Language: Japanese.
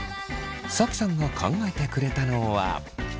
Ｓａｋｉさんが考えてくれたのは。